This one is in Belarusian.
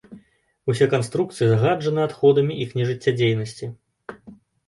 Усе канструкцыі загаджаны адходамі іхняй жыццядзейнасці.